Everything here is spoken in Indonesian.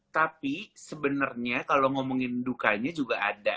tapi sebenernya kalo ngomongin dukanya juga ada